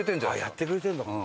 やってくれてるのかな？